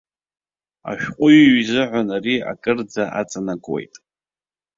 Ашәҟәыҩҩы изыҳәан ари акырӡа аҵанакуеит.